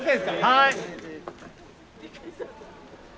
はい。